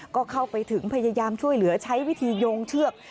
ก็เข้าไปถึงพยายามช่วยเหลือใช้วิธีโยงเชือก